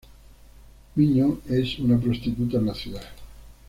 Miho es una prostituta en la ciudad.